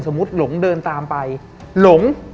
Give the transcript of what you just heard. สมมุติหลงเดินตามไปหลง